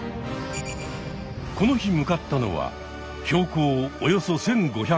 この日向かったのは標高およそ１５００ｍ。